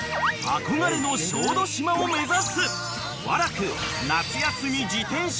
［憧れの小豆島を目指す和楽］